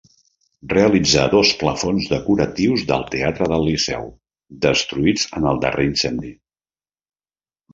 Realitzà dos plafons decoratius del Teatre del Liceu destruïts en el darrer incendi.